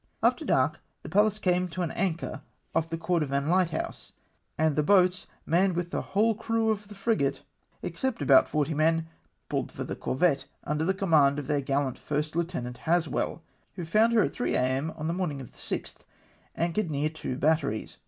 After dark the Pallas came to an anchor off the Cordovan hghthouse, and the boats, manned with the whole crew of the frigate, except about forty men, pulled for the corvette, under the command of their gallant First Lieutenant Haswell, who found her at 3 A.M. on the morning of the 6th, anchored near two batteries.